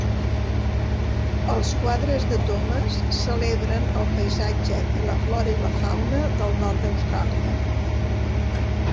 Els quadres de Thomas celebren el paisatge i la flora i fauna del nord d'Austràlia.